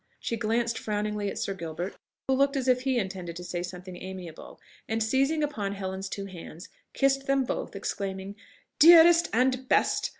She glanced frowningly at Sir Gilbert, who looked as if he intended to say something amiable, and seizing upon Helen's two hands, kissed them both, exclaiming, "Dearest and best!